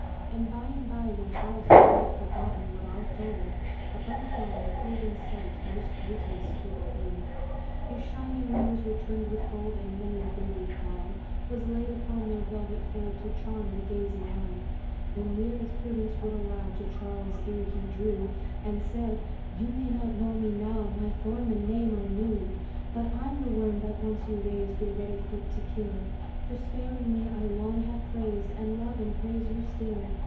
And by and by, when Charles had quite Forgotten what I've told, A Butterfly appeared in sight, Most beauteous to behold. His shining wings were trimmed with gold, And many a brilliant dye Was laid upon their velvet fold, To charm the gazing eye! Then, near as prudence would allow, To Charles's ear he drew And said, "You may not know me, now My form and name are new! "But I'm the worm that once you raised Your ready foot to kill! For sparing me, I long have praised, And love and praise you still.